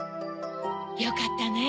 よかったね。